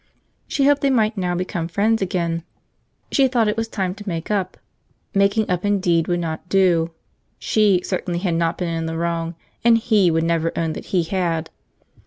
She hoped they might now become friends again. She thought it was time to make up. Making up indeed would not do. She certainly had not been in the wrong, and he would never own that he had.